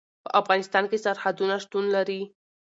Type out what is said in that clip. په افغانستان کې سرحدونه شتون لري.